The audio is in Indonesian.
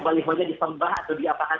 baliho nya di sembah atau di apakah